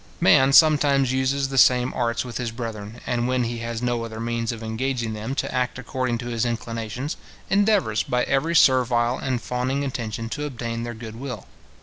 Man sometimes uses the same arts with his brethren, and when he has no other means of engaging them to act according to his inclinations, endeavours by every servile and fawning attention to obtain their good will.